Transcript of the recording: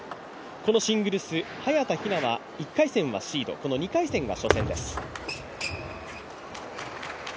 このシングルス、早田ひなは１回戦はシードこの２回戦が初戦です。